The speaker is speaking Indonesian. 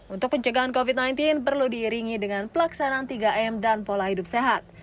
untuk pencegahan covid sembilan belas perlu diiringi dengan pelaksanaan tiga m dan pola hidup sehat